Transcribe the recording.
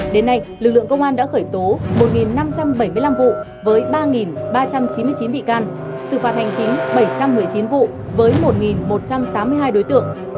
đến nay lực lượng công an đã khởi tố một năm trăm bảy mươi năm vụ với ba ba trăm chín mươi chín bị can xử phạt hành chính bảy trăm một mươi chín vụ với một một trăm tám mươi hai đối tượng